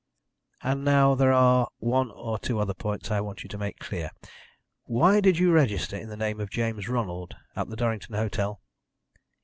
"And now there are one or two other points I want you to make clear. Why did you register in the name of James Ronald at the Durrington Hotel?"